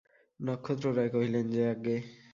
নক্ষত্ররায় কহিলেন, যে আজ্ঞে।